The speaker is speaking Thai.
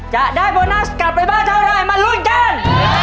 จะได้โบนัสกลับไปบ้านเท่าไรมาลุ้นกัน